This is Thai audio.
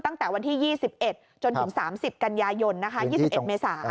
ตั้งแต่วันที่๒๑จนถึง๓๐กันยายนนะคะ๒๑เมษา